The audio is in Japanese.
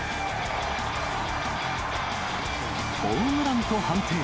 ホームランと判定。